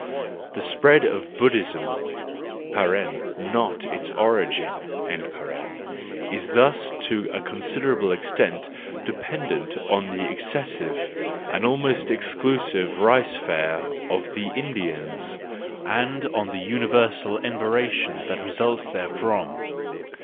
The spread of Buddhism (not its origin) is thus to a considerable extent dependent on the excessive and almost exclusive rice fare of the Indians, and on the universal enervation that results therefrom.